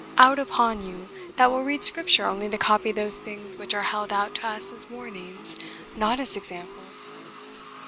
Out upon you, that will read Scripture only to copy those things which are held out to us as warnings, not as examples!"